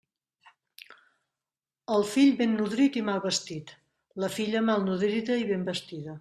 El fill ben nodrit i mal vestit, la filla mal nodrida i ben vestida.